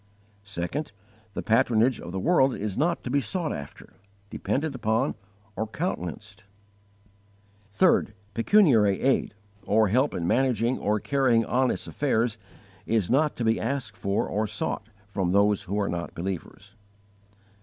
2. The patronage of the world is not to be sought after, depended upon, or countenanced. 3. Pecuniary aid, or help in managing or carrying on its affairs, is not to be asked for or sought from those who are not believers.